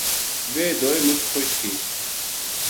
ویہ دوئے مُچ خوش تھی